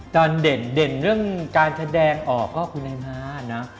เด่นเรื่องการแสดงออกก็คุณนายม้านะ